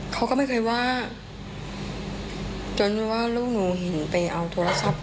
เขาก็ไม่เคยว่าจนว่าลูกหนูเห็นไปเอาโทรศัพท์